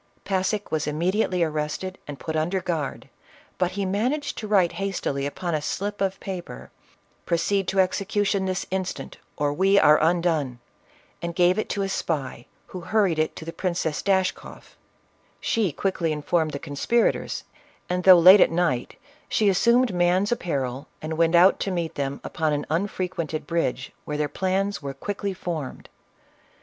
Passick was immediately arrested and put under guard, but he managed to write hastily upon a slip of paper, "Proceed to execution this instant or we are undone !" and gave it to a spy, who hurried with it to the Princess Dashkoff. She quickly informed the conspirators, and, though late at night, she assumed man's apparel, and went out to meet them upon an unfrequented bridge, where their plans were quickly formed.